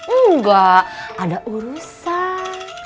enggak ada urusan